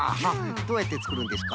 どうやってつくるんですか？